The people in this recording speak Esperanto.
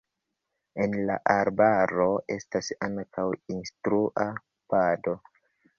En la arbaro estas ankaŭ instrua pado.